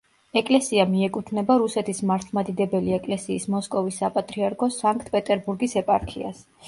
ეკლესია მიეკუთვნება რუსეთის მართლმადიდებელი ეკლესიის მოსკოვის საპატრიარქოს სანქტ-პეტერბურგის ეპარქიას.